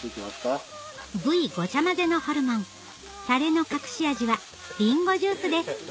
部位ごちゃ混ぜのホルモンタレの隠し味はりんごジュースです・